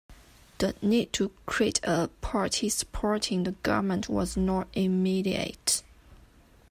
The need to create a party supporting the Government was not immediate.